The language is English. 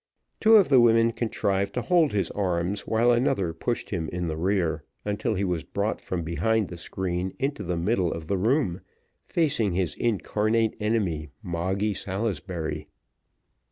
Two of the women contrived to hold his arms, while another pushed him in the rear, until he was brought from behind the screen into the middle of the room, facing his incarnate enemy, Moggy Salisbury.